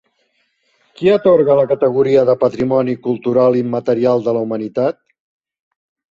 Qui atorga la categoria de Patrimoni Cultural Immaterial de la Humanitat?